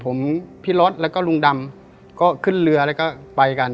ผมพี่รถแล้วก็ลุงดำก็ขึ้นเรือแล้วก็ไปกัน